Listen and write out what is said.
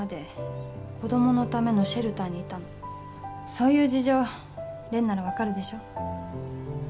そういう事情蓮なら分かるでしょ。